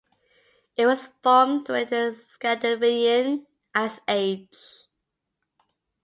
It was formed during the Scandinavian ice age.